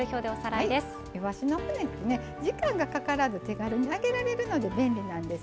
いわしの骨ってね時間がかからず手軽に揚げられるので便利なんです。